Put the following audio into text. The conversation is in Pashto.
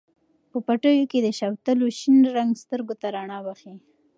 په پټیو کې د شوتلو شین رنګ سترګو ته رڼا بښي.